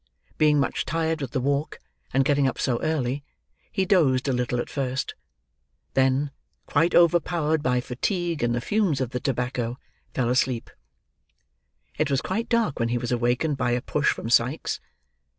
Being much tired with the walk, and getting up so early, he dozed a little at first; then, quite overpowered by fatigue and the fumes of the tobacco, fell asleep. It was quite dark when he was awakened by a push from Sikes.